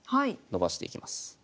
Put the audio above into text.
伸ばしていきます。